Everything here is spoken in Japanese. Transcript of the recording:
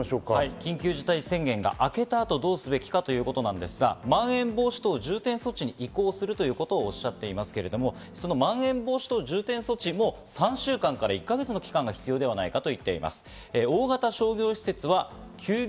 緊急事態宣言が明けた後どうすべきかということですが、まん延防止等重点措置に移行するとおっしゃっていますが、そのまん延防止等重点措置も３週間から１か月、必要ではないかと。